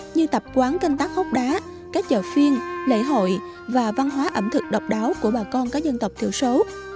như tập quán canh tác hốc đá các chợ phiên lễ hội và văn hóa ẩm thực độc đáo của bà con các dân tộc thiểu số